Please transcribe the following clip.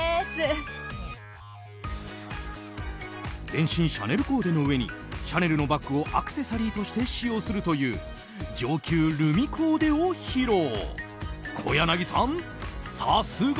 全身シャネルコーデのうえにシャネルのバッグをアクセサリーとして使用するという上級ルミコーデを披露。